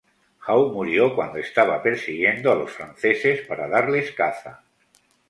Howe murió cuando estaba persiguiendo a los franceses para darles caza.